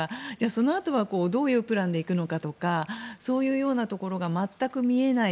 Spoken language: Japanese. そのあとはどういうプランで行くのかとかそういうようなところが全く見えない。